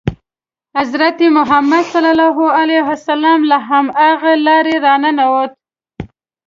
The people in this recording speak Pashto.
حضرت محمد له همغې لارې را ننووت.